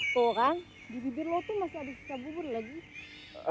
tuh kan di bibir lo tuh masih ada sisa bubur lagi